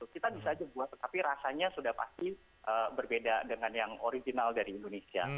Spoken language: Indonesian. kita bisa aja buat tetapi rasanya sudah pasti berbeda dengan yang original dari indonesia